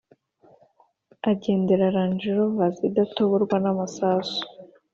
agendera range rovers idatoborwa n’amasasu.